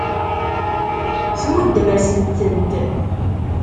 Tmuddem-asent-tent.